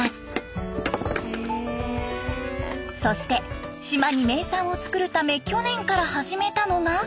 そして島に名産を作るため去年から始めたのが。